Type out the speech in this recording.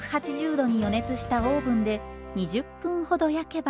℃に予熱したオーブンで２０分ほど焼けば。